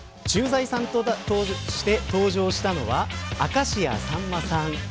駐在さんとして登場したのは明石家さんまさん